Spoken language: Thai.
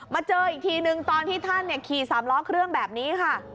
เจออีกทีนึงตอนที่ท่านขี่สามล้อเครื่องแบบนี้ค่ะ